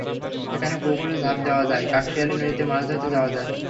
এখানে পুকুরে ঝাঁপ দেওয়া যায়, কাকশিয়ালী নদীতে মাছ ধরতে যাওয়া যায়।